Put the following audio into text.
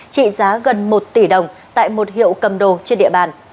trị giá gần một tỷ đồng tại một hiệu cầm đồ trên địa bàn